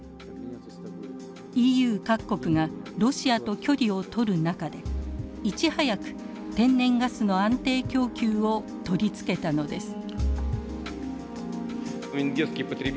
ＥＵ各国がロシアと距離を取る中でいち早く天然ガスの安定供給を取り付けたのです。